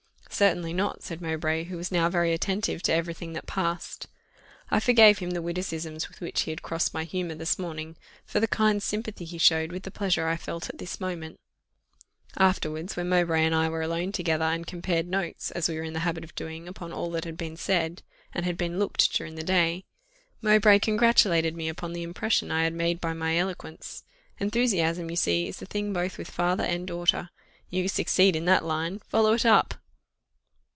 "Certainly not," said Mowbray, who was now very attentive to every thing that passed. I forgave him the witticisms with which he had crossed my humour this morning, for the kind sympathy he showed with the pleasure I felt at this moment. Afterwards, when Mowbray and I were alone together, and compared notes, as we were in the habit of doing, upon all that had been said, and had been looked, during the day, Mowbray congratulated me upon the impression I had made by my eloquence. "Enthusiasm, you see, is the thing both with father and daughter: you succeed in that line follow it up!"